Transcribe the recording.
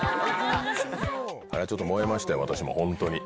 あれはちょっと燃えましたよ、本当に。